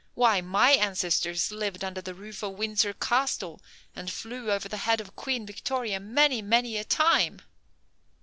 Why, my ancestors lived under the roof of Windsor Castle, and flew over the head of Queen Victoria many, many a time."